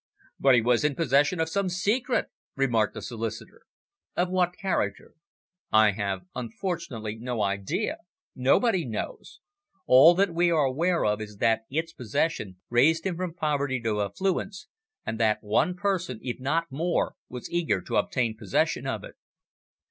"But he was in possession of some secret," remarked the solicitor. "Of what character?" "I have unfortunately no idea. Nobody knows. All that we are aware is that its possession raised him from poverty to affluence, and that one person, if not more, was eager to obtain possession of it."